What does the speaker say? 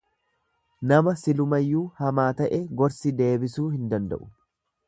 Nama silumayyuu hamaa ta'e gorsi deebisuu hin danda'u.